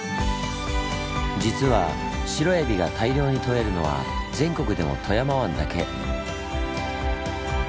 実はシロエビが大量に獲れるのは全国でも富山湾だけ。